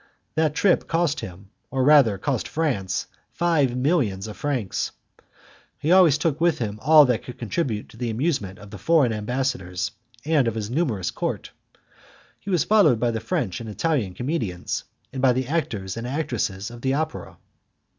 That trip cost him, or rather cost France, five millions of francs. He always took with him all that could contribute to the amusement of the foreign ambassadors and of his numerous court. He was followed by the French and the Italian comedians, and by the actors and actresses of the opera.